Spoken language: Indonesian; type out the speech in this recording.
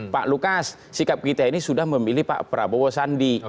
pak lukas sikap kita ini sudah memilih pak prabowo sandi